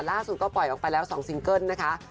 ล่าสุดก็ปล่อยออกไปแล้ว๒ซิงเกิ้ลนะคะ